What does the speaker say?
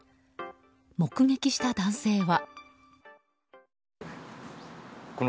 目撃した男性は。